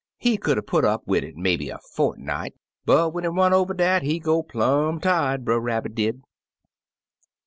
He could 'a' put up wid it maybe a fortnight, but when it run over dat, he go, plum' tired. Brer Rabbit did.